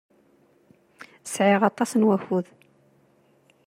Sɛiɣ aṭas n wakud.